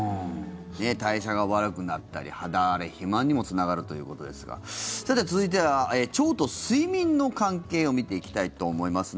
代謝が悪くなったり肌荒れ、肥満にもつながるということですがさて、続いては腸と睡眠の関係を見ていきたいと思います。